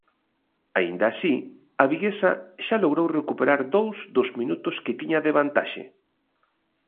Aínda así, a viguesa xa logrou recuperar dous dos minutos que tiña de vantaxe.